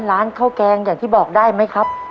ร้านข้าวแกงอย่างที่บอกได้ไหมครับ